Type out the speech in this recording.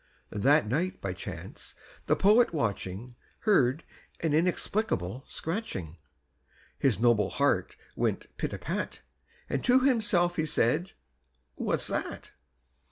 That night, by chance, the poet watching, Heard an inexplicable scratching; His noble heart went pit a pat, And to himself he said "What's that?"